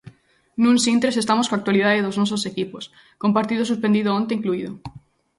Nuns intres estamos coa actualidade dos nosos equipos, con partido suspendido onte incluído.